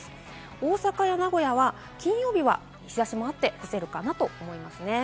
大阪や名古屋は金曜日は日差しもあって干せるかなと思いますね。